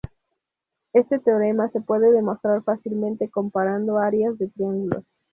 Este teorema se puede demostrar fácilmente comparando áreas de triángulos.